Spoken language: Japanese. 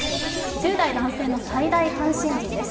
１０代男性の最大関心事です。